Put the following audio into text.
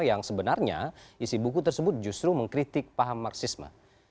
yang sebenarnya isi buku tersebut justru mengkritik paham marxisme